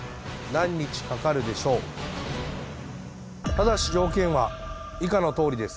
ただし条件は以下の通りです。